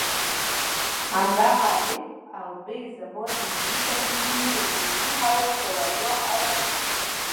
همدغه الف او ب زما د ملي تصویرونو ګونګي حواس په وینا اړوي.